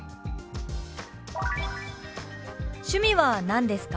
「趣味は何ですか？」。